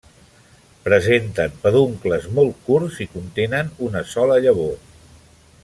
Presenten peduncles molt curts i contenen una sola llavor.